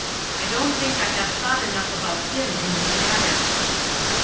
I don't think I have thought enough about Him in this matter."